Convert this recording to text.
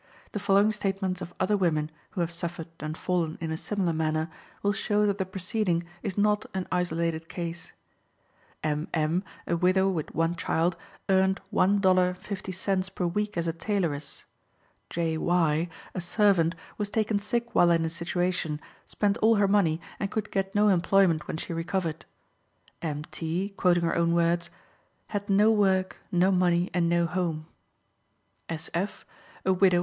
The following statements of other women who have suffered and fallen in a similar manner will show that the preceding is not an isolated case. M. M., a widow with one child, earned $1 50 per week as a tailoress. J. Y., a servant, was taken sick while in a situation, spent all her money, and could get no employment when she recovered. M. T. (quoting her own words) "had no work, no money, and no home."